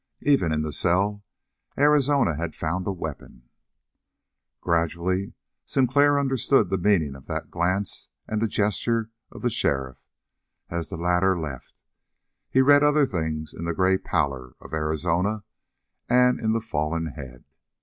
Even in the cell Arizona had found a weapon. Gradually Sinclair understood the meaning of that glance and the gesture of the sheriff, as the latter left; he read other things in the gray pallor of Arizona, and in the fallen head.